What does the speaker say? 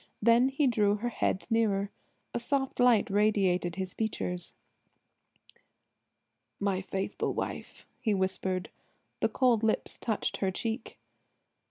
Then he drew her head nearer. A soft light radiated his features. "My faithful wife!" he whispered. The cold lips touched her cheek.